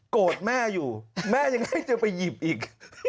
แม่อยู่แม่ยังให้เธอไปหยิบอีก